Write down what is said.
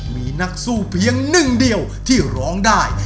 มีนักสู้เพียงหนึ่งเดียวที่ร้องได้